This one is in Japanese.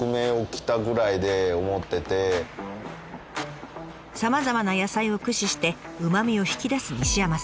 さまざまな野菜を駆使してうまみを引き出す西山さん。